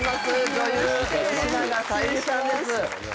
女優吉永小百合さんです。